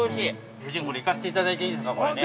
夫人、これ行かしていただいていいですか、これね。